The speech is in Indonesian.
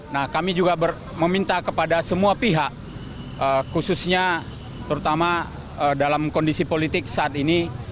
nah kami juga meminta kepada semua pihak khususnya terutama dalam kondisi politik saat ini